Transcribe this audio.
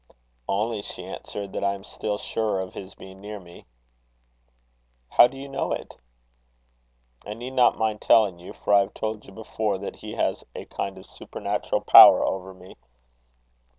"Only," she answered, "that I am still surer of his being near me." "How do you know it?" "I need not mind telling you, for I have told you before that he has a kind of supernatural power over me.